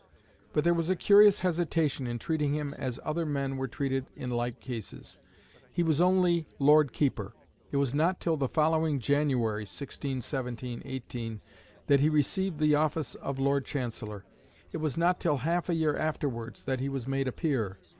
But there was a curious hesitation in treating him as other men were treated in like cases. He was only "Lord Keeper." It was not till the following January (1617/18) that he received the office of Lord Chancellor. It was not till half a year afterwards that he was made a Peer.